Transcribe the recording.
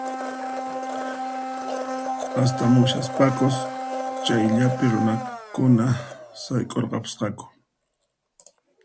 Astamushaspankus chayllapi runakuna sayk'urqapusqaku